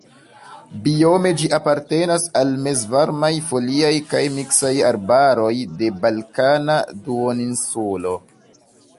Biome ĝi apartenas al mezvarmaj foliaj kaj miksaj arbaroj de Balkana Duoninsulo.